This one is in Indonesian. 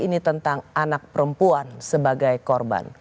ini tentang anak perempuan sebagai korban